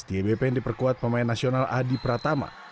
setiai bp yang diperkuat pemain nasional adi pratama